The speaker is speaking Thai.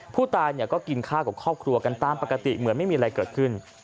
ผู้ตายก็กินข้าวกับครอบครัวกันตามปกติเหมือนไม่มีอะไรเกิดขึ้น